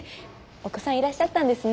お子さんいらっしゃったんですね。